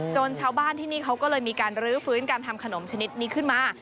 ชาวบ้านที่นี่เขาก็เลยมีการรื้อฟื้นการทำขนมชนิดนี้ขึ้นมา